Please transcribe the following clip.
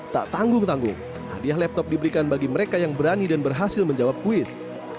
tak tanggung tanggung hadiah laptop diberikan bagi mereka yang berani dan berhasil menjawab kuis